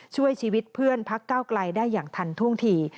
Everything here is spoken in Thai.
ช่วยชีวิตเพื่อนพักเก้าไกลได้อย่างทันท่วงที